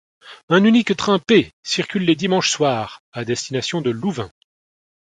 Un unique train P circule les dimanches soirs à destination de Louvain.